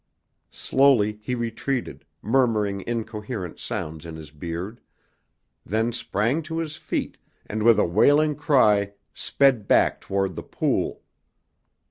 Slowly he retreated, murmuring incoherent sounds in his beard, then sprang to his feet and with a wailing cry sped back toward the pool.